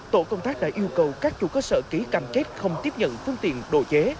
tổ công tác đã yêu cầu các chủ cơ sở ký cam kết không tiếp nhận phương tiện đồ chế